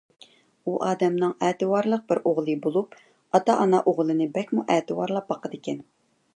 ئۇ ئادەمنىڭ ئەتىۋارلىق بىر ئوغلى بولۇپ، ئاتا - ئانا ئوغلىنى بەكمۇ ئەتىۋارلاپ باقىدىكەن.